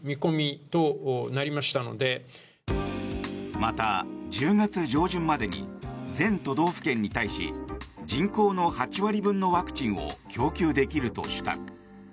また、１０月上旬までに全都道府県に対し人口の８割分のワクチンを供給できるとした。